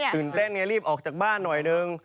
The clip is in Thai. ตื่นเต้นไงรีบออกจากบ้านหน่อยนึง